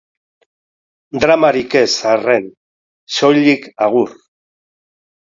Dramarik ez, arren: soilik agur.